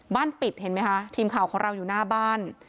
ปิดเห็นไหมคะทีมข่าวของเราอยู่หน้าบ้าน